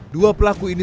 dua pelaku ini